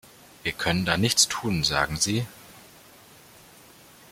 Wir können da nichts tun, sagen Sie.